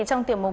trong tiểu mục